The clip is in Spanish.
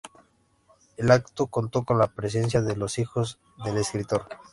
El acto contó con la presencia de los hijos del escritor.